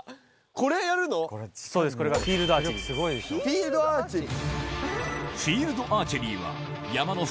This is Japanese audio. これがフィールドアーチェリーです。